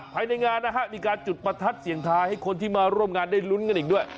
ภายในงานนะฮะมีการจุดประทัดเสียงทายให้คนที่มาร่วมงานได้ลุ้นกันอีกด้วย